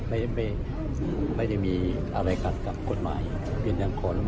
ไม่ได้มีอะไรกับกฎหมาย